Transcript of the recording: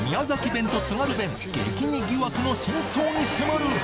弁と津軽弁激似疑惑の真相に迫る！